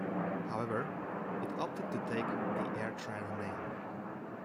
However, it opted to take the AirTran name.